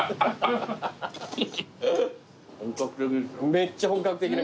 めっちゃ本格的な。